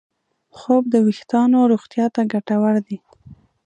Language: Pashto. خوب د وېښتیانو روغتیا ته ګټور دی.